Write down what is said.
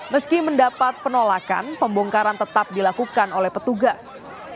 meski mendapat penolakan pembongkaran tetap dilakukan oleh petugas